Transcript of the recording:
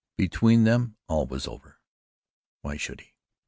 Between them all was over why should he?